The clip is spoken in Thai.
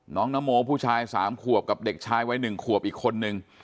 น้องนโมผู้ชายสามขวบกับเด็กชายไว้หนึ่งขวบอีกคนนึง